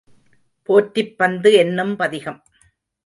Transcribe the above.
போற்றிப் பந்து என்னும் பதிகம்.